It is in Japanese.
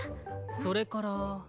それから。